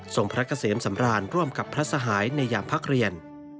พระเกษมสำราญร่วมกับพระสหายในยามพักเรียน